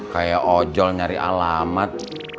kayak ojol nyari alamat